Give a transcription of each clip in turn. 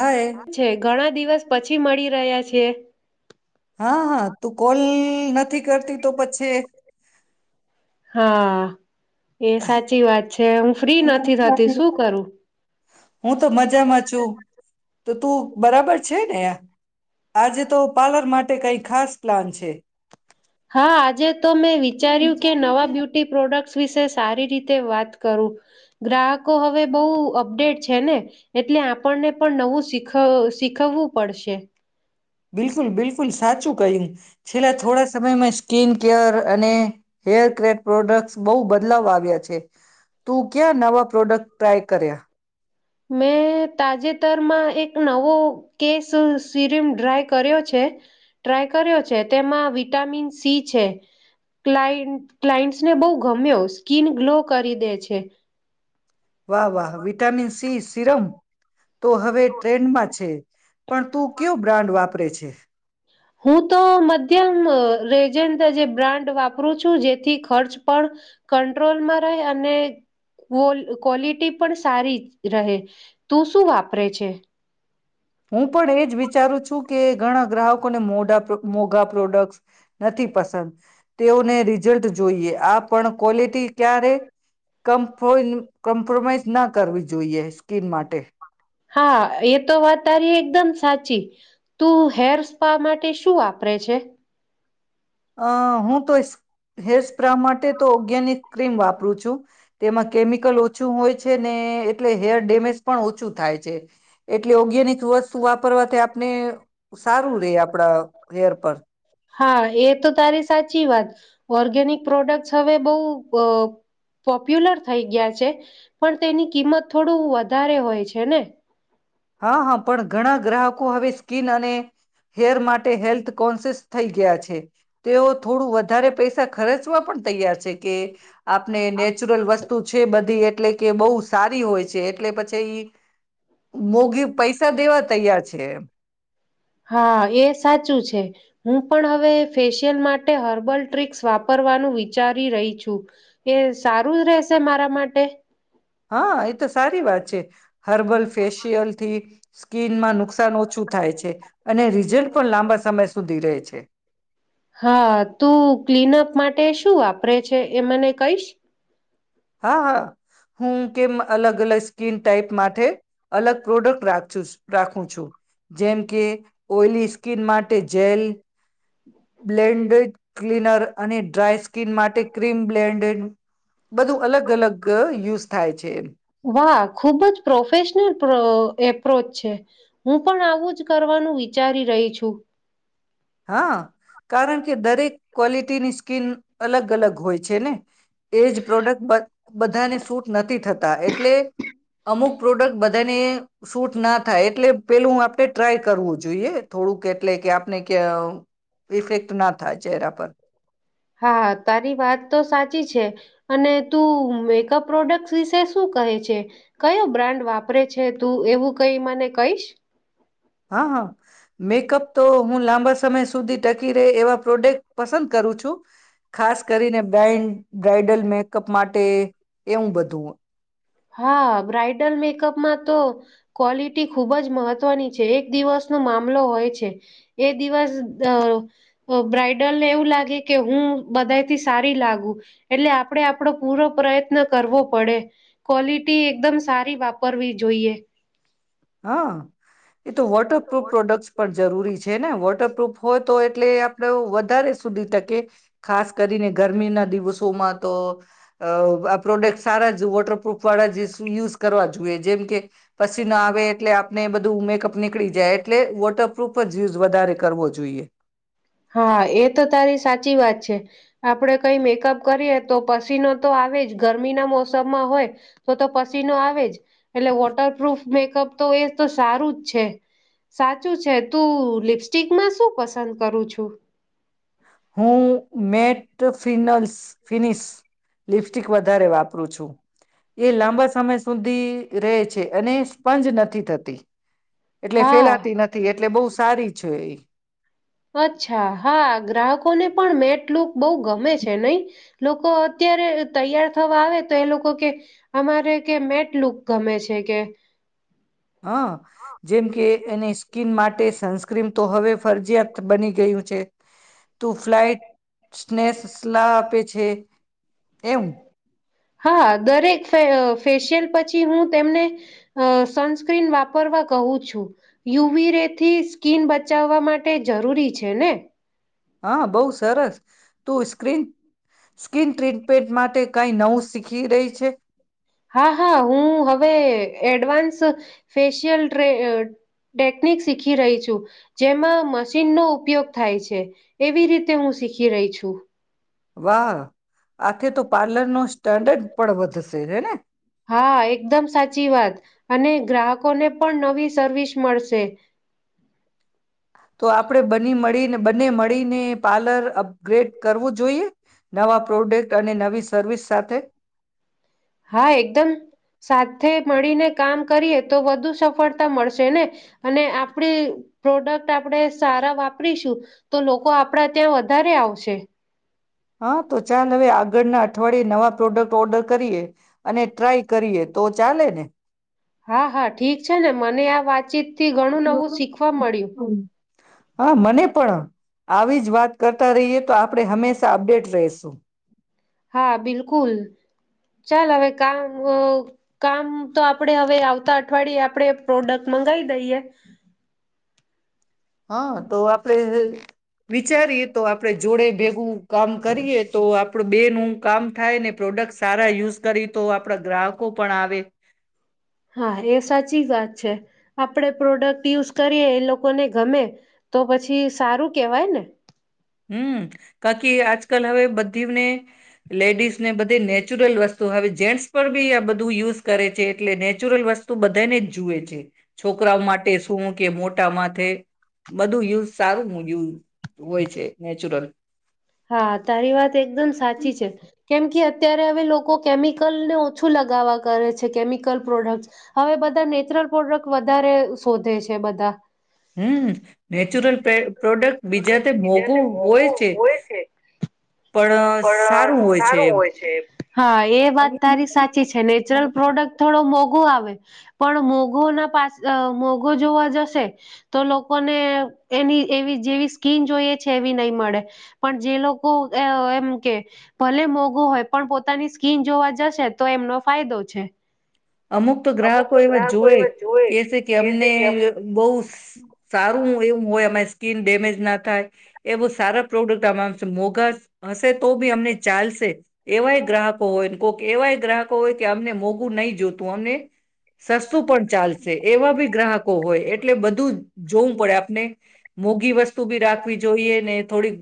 હા એ છે, ઘણા દિવસ પછી મળી રહ્યા છે. પા છે [unintelligible] હા હા તું કોલ નથી કરતી તો પછી હા. એ સાચી વાત છે હું ફ્રી નથી થતી શું કરું હું તો મજામાં છું. તો તું બરાબર છે નેં? આજે તો પાર્લર માટે કંઈ ખાસ? પ્લાન છે. હા આજે તો મેં વિચાર્યું કે નવા બ્યુટી પ્રોડક્ટ વિશે સારી રીતે વાત કરું. ગ્રાહકો હવે બહુ અપડેટ છે ને એટલે આપણને પણ નવું શીખ શીખવવું પડશે. બિલકુલ બિલકુલ સાચું કહ્યું. છેલ્લે થોડા સમય [unintelligible] કીન કેર અને હેર ક્રેટ પ્રોડક્ટ્સ બહુ બદલાવ આવ્યા છે. તું ક્યાં નવા પ્રોડક્ટ ટ્રાય કર્યા? મેં તાજેતરમાં એક નવો કેસ સિરીમ ડ્રાય કર્યો છે ટ્રાય કર્યો છે તેમાં વિટામિન સી છે ક્લાય ક્લાયન્ટસને બહુ ગમ્યો સ્કીિન ગ્લો કરી દે છે. વાહ વાહ વિટામિન્સ સિ સિરમ. તો હવે ટ્રેન્ડમાં છે પણ તું કયો બ્રાન્ડ વાપ પરે છે. હું તો મધ્યમ અ રેજન્ટ જે બ્રાન્ડ વાપરું છું જેથી ખર્ચ પણ કંટ્રોલમાં રહે અને કવો ક્વોલિટી પણ સારી રહે. તું શું વાપરે છે? હું પણ એજ વિચારું છું. કે ઘણા ગ્રાહકોને મોઢા મોઘા પ્રોડક્ટ્સ નથી પસંદ તેઓને રિઝલ્ટ જોઈએ આ પણ ક્વોલિટી ક્યાં રે કમ્ [unintelligible] કોમ્પ્રોમાઈઝ ના કરવી જોઈએ સ્કીન માટે. હા, એ તો વાત તારી એકદમ સાચી. તું હેર સ્પા માટે શું વાપરે છે? અ હું તો ઈસ્ હેર સ્પ્રા માટે તો ગેનિક ક્રીમ વાપરું છું. તેમાં કેમિકલ ઓછું હોય છે ને એટલે હેર ડેમેજ પણ ઓછું થાય છે. એટલે ઓગેનીક વસ્તુ વાપરવાથી આપને સારું રે આપળા હેર પર. હા, એ તો તારી સાચી વાત. ઓર્ગેનિક પ્રોડક્ટસ હવે બહુ અ પોપ્યુલર થઈ ગ્યા છે. પણ તેની કિંમત થોડું વધારે હોય છે ને. હા, હા, પણ ઘણા ગ્રાહકો હવે સ્કીન અને હેર માટે હેલ્થ કોન્શિયસ થઈ ગયા છે. તેઓ થોડું વધારે પૈસા ખર્ચવા પણ તૈયાર છે. કે આપને નેચરલ વસ્તુ છે બધી એટલે કે બઉ સારી હોય છે. એટલે પછી ઈ મોઘી પૈસા દેવા તૈયાર છે એમ. હા એ સાચું છે હું પણ હવે ફેશિયલ માટે હર્બલ ટ્રિક્સ વાપરવાનું વિચારી રહી છું. એ સારું રહેશે મારા માટે? હા, એ તો સારી વાત છે. હર્બલ ફેશિયલથી સ્કીનમાં નુકસાન ઓછું થાય છે અને રિઝલ્ટ પણ લાંબા સમય સુધી રે છે. હા તું ક્લીનઅપ માટે શું વાપરે છે, એ મને કઈશ? હા, હા, હું કેમ અલગ અલગ સ્કીન ટાઈપ માટે અલગ પ્રોડક્ટ રાચુસ રાખું છું. જેમ કે, ઓઇલી સ્કીન માટે જેલ બ્લેન્ડેડ ક્લીનર અને ડ્રાય સ્કીન માટે ક્રીમ બ્લેન્ડેન. બધું અલગ અલગ યુઝ થાય છે એમ. વાહ, ખુબ જ પ્રોફેશનલ પ્રો એપ્રોચ છે. હું પણ આવું જ કરવાનું વિચારી રહી છું. હા. કારણ કે દરેક ક્વોલિટીની કિન અલગ અલગ હોય છે ને. એજ પ્રોડક્ટ બ બધાને શૂટ નથી થતા એટલે અમુક પ્રોડક્ટ બધાને શૂટ ના થાય એટલે પેલું આપડે ટ્રાય કરવું જોઈએ થોડુંક એટલે કે આપણે કેવ ઇફેક્ટ ના થાય ચહેરા પર... હા તારી વાત તો સાચી છે, અને તું મેકઅપ પ્રોડક્ટસ વિશે શું કહે છે, કયો બ્રાન્ડ વાપરે છે તું, એવું કઈ મને કહીશ. હા હા. મેકઅપ તો હું લાં લબા સમય સુધી ટકી રહે એવા પ્રોડક્ટ... પસંદ કરું છું. ખાસ કરીને બ્રાઈન્ડ બ્રાઇડલ મેક કપ માટે એવું બધું... હા બ્રાઇડલ મેકઅપમાં તો ક્વોલિટી ખુબ જ મહત્વની છે, એક દિવસનો મામલો હોય છે, એ દિવસ અ બ્રાઈડલને એવું લાગે કે હું બધાયથી સારી લાગુ, એટલે આપડે આપ પડો પૂરો પ્રયત્ન કરવો પડે ક્વોલિટી એકદમ સારી વાપરવી જોઈએ. હા. એ તો વોટરપૂફ પ્રોડક્ટસ પણ જરૂરી છે ને વોટ પ્રુફ હોયતો એટલે આપડે વધારે સુધી ટકે... ખાસ કરીને ગરમી ના દિવસો ઓમા તો... અ આ પ્રોડક્સ સારા જ વોટરપ્રુફ વાળા જે યુઝ કરવા જોઈએ જેમ કે પસીના... ટે આપણે એ બધું મેકઅપ નીકળી જાય એટલે વોટરપ્રૂફ જ યુઝ વધારે કરવો જોઈએ. હા એ તો તારી સાચી વાત છે, આપડે કઈ મેકઅપ કરીએ તો પસીનો તો આવે જ, ગરમીના મોસમમાં હોય તો તો પસીનો આવે જ, એટલે વોટરપ્રૂફ મેકઅપ તો એ તો સારું જ છે સાચું છે, તું લિપસ્ટિકમાં શું પસંદ કરું છ પ્રુપ હું મેં... ટિફિનલ્સ ફિનિશ લિપસ્ટિક વધારે વાપરું છું, એ લાંબા સમય સુધી રે... છે અને સ્પંજ નથી થતી, એટલે હા ફેલાતી નથી, એટલે બહુ સારી છે એ. અચ્છા હા ગ્રાહકોને પણ મેટલુક... બઉ ગમે છે નઈ. લોકો અત્યારે તૈયાર થવા આવે તો એ લોકો કે અમારે કે મેટ લુક ગમે છે કે... હ જેમ કે એની સ્કિન માટે સનસ્ક્રીન તો હવે ફરજીયાત બની ગયું છે. તું ફ્લાઇટ સ્નેસ લા આપે છે એમ. હા દરેક... પણ ફેશિયલ પછી હું... તેમને સનસ્ક્રીન વાપરવા કહું છું, યુવી રે થી સ્કીન બચાવવા માટે જરૂરી છે ને. હા બહુ સરસ તું સ્ક્રીન સ્કિન ટ્રીટમેન્ટ માટે કાંઈ નવું શીખી રહી છે. હા હા હું હવે એડવાન્સ ફેશિયલ ટ્રે ટેકનિક શીખી રહી છું, જેમાં મશીનનો ઉપયોગ થાય છે, એવી રીતે હું શીખી રહી છું. વાહ આથે તો... પાર્લર નો સ્ટાન્ડર્ડ પણ વધશે હને. હા એકદમ સાચી વાત અને ગ્રાહકોને પણ નવી સર્વિસ મળશે તો આપણેે બની મળીને બને મળી ને પાર્લર અપગ્રેડ કરવું જોઈએ નવા પ્રોડક્ટ અને નવી સર્વિસ સાથે હા એકદમ સાત સાથે મળીને કામ કરીએ તો વધુ સફળતા મળશે ને અને આપડી પ્રોડક્ટ આપણે સારા વાપરીશું તો લોકો આપડા ત્યાં વધારે આવશે હા તો ચાલ હવે આગળના અઠવાડિયે નવા પ્રોડક્ટ ઓર્ડર કરીએ અને ટ્રાય કરીએ તો ચાલેને હા હા ઠીક છે ને મને આ વાતચીત હા મને પણ આવી જ વાત કરતા રહીએ તો આપણે હંમેશા અપડેટ રહેશું હા બિલકુલ ચાલ હવે કામ કામ તો આપડે હવે આવતા અઠવાડિયે આપડે પ્રોડક્ટ મંગાવી દઈએ હા તો આપડે વિચારીએ તો આપડે જોડે ભેગું કામ કરીએ તો આપડું બે નું કામ થાય ને પ્રોડક્ટ સારા યુઝ કરી તો આપડા ગ્રાહકો પણ આવે હા એ સાચી વાત છે આપડે પ્રોડક્ટ યુઝ કરીએ એ લોકોને ગમે તો પછી સારું કેવાય ને હમ કારકી આજકાલ હવે બધીને લેડીઝને બધી નેચુરલ વસ્તુ હવે જેન્ટ્સ પણ બી આ બધું યુઝ કરે છે એટલે નેચુરલ વસ્તુ બધાને જ જુએ છે છોકરાઓ માટે શું કે મો ટમાંથે બધું યુઝ સારું હ ઘીન ધ હોય છે નેચરલ હા તારી વાત એકદમ સાચી છે કેમ કે અ્યારે હવે લોકો કેમિકલને ઓછું લગાવવા કરે છે કેમિકલ પ્રોડક્ટ હવે બધા નેચરલ પ્રોડક્ટ વધારે શોધે છે બધા હમ નેચરલ પ્રોડક્ટ બીજા તે મોંઘું હોય છે પણ ારય સારું હોય છે એમ હા એ વાત તારી સાચી છે નેચરલ પ્રોડક્ટ થોડો મોઘું આવે પણ મોઘુ ના પાસે મોઘો જોવા જશે તો લોકોને એની એવી જેવી સ્કીન જોઈએ છે એવી નહી મળે પણ જે લોકો એમ કે ભલે મોઘું હોય પણ પોતાની સ્કીિન જોવા જશે તો એમનો ફાયદો છે અમુક તો ગ્રાહકો એમાં જોવે કે છે કે અમને બહુ સારું એવું હોય અમા સ્કીન ડેમેજ ના થાય એ બહ સારા પ્રોડક્ટ આમશે મોઘા હશે તો બી અમને ચાલશે એવાય ગ્રાહકો હોય કોઈક એવાય ગ્રાહકો હોય કે અમને મોંઘું નહીં જોત પોને સસ્તું પણ ચાલશે એવા બી ગ્રાહકો હોય એટલે બધું જ જોવું પડે આપને મોઘી વસ્તુ બી રાખવી જોઈએ ને થોડીક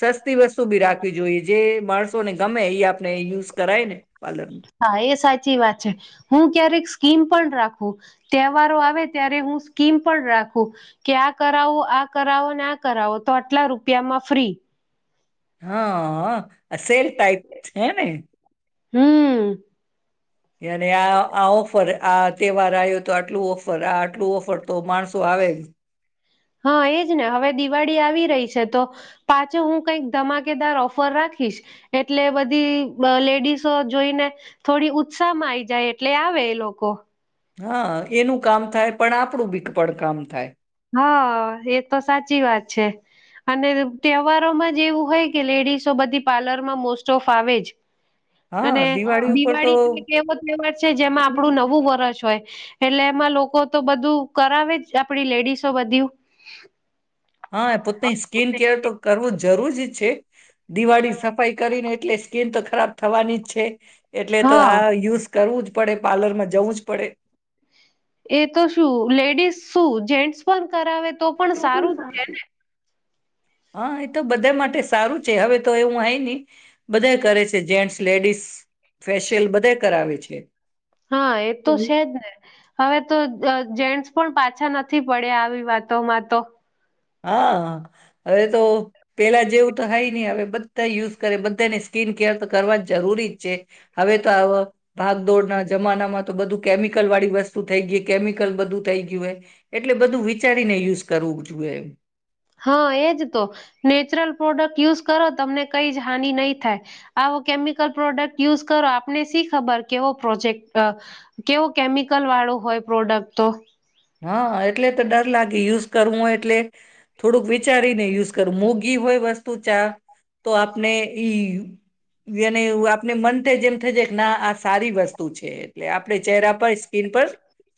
સસ્તી વસ્તુ બી રાખવી જોઈએ જે માણસ ને ગમે એ આપણે યુઝ કરાય ને પાર્લરમાં હા એ સા સાચી વાત છે હું ક્યારેક સ્કીમ પણ રાખું તહેવારો આવે ત્યારે હું સ્કીમ પણ રાખું કે આ કરાવો આ કરાવો આ કરાવો તો આટલા રૂપિયામાં ફ્રી હા સેલ ટઇપ હમ હે ને આ આ ઓફર આ તહેવાર આવ્યો તો આટલું ઓફર આ આટલું ઓફર તો માણસો આવે જ. હા એજ ને હવે દિવાળી આવી રહી છે તો પાછો હું કઈક ધમાકેદાર ઓફર રાખીશ એટલે બધી લેડીસો જોઈને થોડી ઉત્સાહ માં આઈ જાય એટલે આવે એ લોકો હા એનું કામ થાય પણ આપણું બીપ કામ થાય. હા એ તો સાચી વાત છે અને તહેવારોમાં જ એવું હોય કે લેડીસો બધી પાર્લરમાં મોસ્ટ ઓફ આવે જ. અને દિવાળી તો એક એવો તહેવાર છે જેમાં આપણું નવું વરષ હોય. એટલે એમાં લોકો તો બધું કરાવે જ આપડી લેડીસ. શ બ્યું. હા પોતેની સ્કીન કેર તો કરવું જરૂરી જ છે. દિવાળીની સફાઈ કરીને એટલે સ્કે ખરાબ થવાની છે. એટલે તો હા આ યુઝ કરવું જ પડે પાર્લર માં જવું જ પડે. એ તો શું લેડીસ શું જે [unintelligible] કરાવે તો પણ સારું છે ને. હા એ તો બધા માટે સારું છે હવે તો એવું હય ને બધા કરે છે જેન્ટ્સ લેડીઝ ફેશિયલ બધે કરાવે છે હા એ તો છેજ ને હવે તો જેન્ટ્સ પણ પાછા નથી પડ્યા આવી વાતોમાં તો. હા હવે તો પેલા જેવું તો થાય નહી હવે બધા યુઝ કરે બધાને સ્કીન કેર તો કરવા જ જરૂરી જ છે. હવે તો આ ભાગદોડના જમાનામાં તો બધું કેમિકલ વાળી વસ્તુ થઈ ગઈ કેમિકલ બધું થઈ ગયું હોય એટલે બધું વિચારીને યુઝ કરવું જોઈએ એમ. [inaudible] હા એજ તો નેચરલ પ્રોડક્ટ યુઝ કરો તમને કઈ જ હાનિ નહી થાય આવો કેમિકલ પ્રોડક્ટ યુઝ કરો આપને શી ખબર કેવો પ્રોજેક્ટ કેવો કેમિકલ વાળો હોય પ્રોડક્ટ તો. હા એટલે તો દાદા લે યુઝ કરવું હોય એટલે થોડુંક વિચારી ને યુઝ કરવું મોગી હોય વસ્ત તું ચા તો આપને ઈ ને એવું આપને મન થય જેમ થ કે ના આ સારી વસ્તુ છે એટલે આપણે ચહેરા પર સ્કિન પર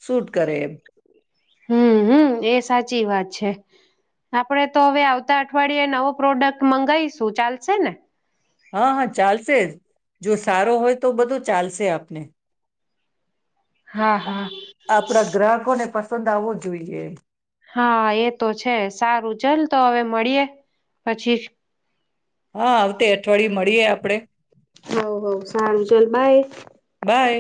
સૂટ કરે હમ હમ એ સાચી વાત છે આપડે તો હવે આવતા અઠવાડિયે નવો પ્રોડક્ટ મંગાઈશું ચાલશે ને હા હા ચાલશે જ જો સારો હોય તો બધુ ચાલસે આપને હા હા આપડા ગ્રાહકો ને પ સંદ આવવો જોઈએ હા એ તો છે સારું ચલ તો હવે મળીયે પછી હા આવતે અઠવાડીયે મળ રીએ આપડે હવ હવ સારું ચલ બાય બાય